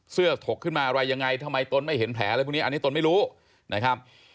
ถกขึ้นมาอะไรยังไงทำไมตนไม่เห็นแผลอะไรพวกนี้อันนี้ตนไม่รู้นะครับ